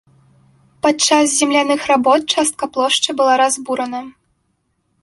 Падчас земляных работ частка плошчы была разбурана.